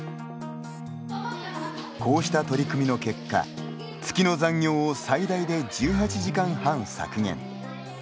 こうした取り組みの結果月の残業を最大で１８時間半削減。